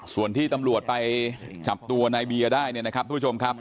ส่วนที่ตำรวจไปจับตัวนายเบียร์ได้เนี่ยนะครับทุกผู้ชมครับ